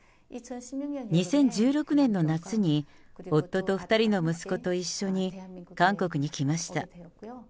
２０１６年の夏に、夫と２人の息子と一緒に、韓国に来ました。